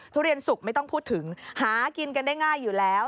ทุเรียนสุกไม่ต้องพูดถึงหากินกันได้ง่ายอยู่แล้ว